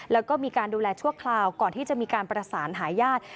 แล้วก็มีการดูแลชั่วคราวก่อนที่จะมีการประสานหาญาติ